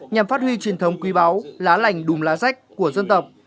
nhằm phát huy truyền thống quý báu lá lành đùm lá sách của dân tộc